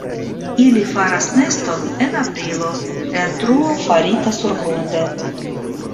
Ili faras neston en aprilo en truo farita surgrunde.